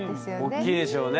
おっきいでしょうね。